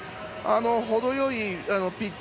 程よいピッチ。